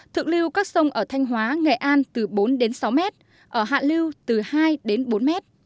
thượng lưu các sông ở thanh hóa nghệ an từ bốn sáu m ở hạ lưu từ hai bốn m